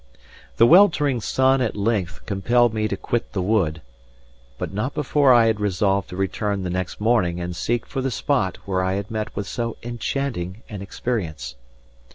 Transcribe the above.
The weltering sun at length compelled me to quit the wood, but not before I had resolved to return the next morning and seek for the spot where I had met with so enchanting an experience.